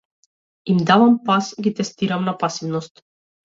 Им давам пас, ги тестирам на пасивност.